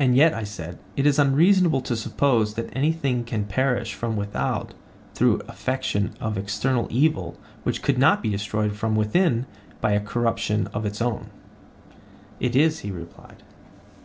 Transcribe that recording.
And yet, I said, it is unreasonable to suppose that anything can perish from without through affection of external evil which could not be destroyed from within by a corruption of its own? It is, he replied.